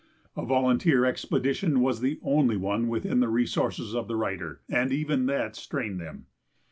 A volunteer expedition was the only one within the resources of the writer, and even that strained them.